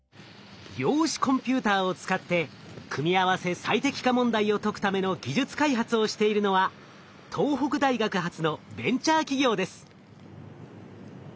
量子コンピューターを使って組合せ最適化問題を解くための技術開発をしているのは東北大学発のベンチャー企業です。